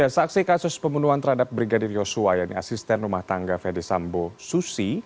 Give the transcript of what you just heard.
saksi kasus pembunuhan terhadap brigadir yosua yaitu asisten rumah tangga ferdis sambo susi